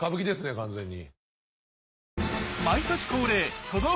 完全に。